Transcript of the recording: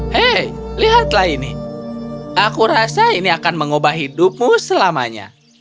hei lihatlah ini aku rasa ini akan mengubah hidupmu selamanya